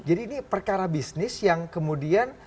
jadi ini perkara bisnis yang kemudian